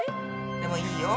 でもいいよ。